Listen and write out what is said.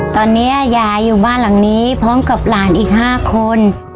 ตอนนี้ยายอยู่บ้านหลังนี้พร้อมกับหลานอีก๕คน